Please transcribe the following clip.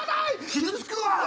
傷つくわ！